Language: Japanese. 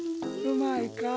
うまいか？